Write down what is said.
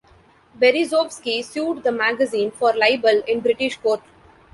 Berezovsky sued the magazine for libel in British court.